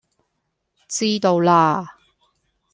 知道啦